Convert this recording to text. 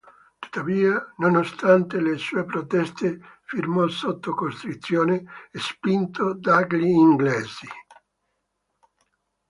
Tuttavia, nonostante le sue proteste firmò sotto costrizione, spinto dagli inglesi.